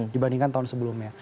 dibandingkan tahun sebelumnya